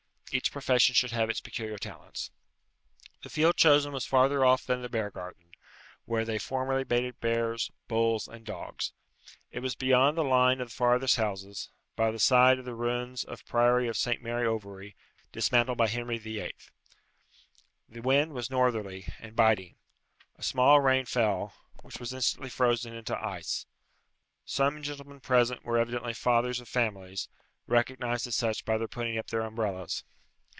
Each profession should have its peculiar talents. The field chosen was farther off than the bear garden, where they formerly baited bears, bulls, and dogs; it was beyond the line of the farthest houses, by the side of the ruins of the Priory of Saint Mary Overy, dismantled by Henry VIII. The wind was northerly, and biting; a small rain fell, which was instantly frozen into ice. Some gentlemen present were evidently fathers of families, recognized as such by their putting up their umbrellas.